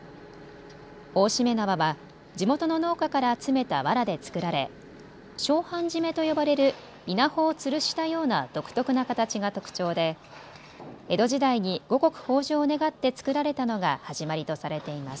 大しめ縄は地元の農家から集めたわらで作られ照範じめと呼ばれる稲穂をつるしたような独特な形が特徴で江戸時代に五穀豊じょうを願って作られたのが始まりとされています。